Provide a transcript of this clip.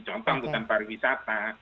contoh angkutan pariwisata